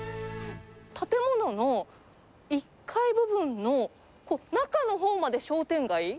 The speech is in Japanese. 建物の１階部分の中のほうまで商店街。